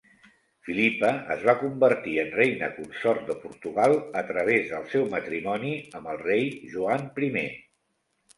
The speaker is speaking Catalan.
Philippa es va convertir en reina consort de Portugal a través del seu matrimoni amb el rei Joan Primer.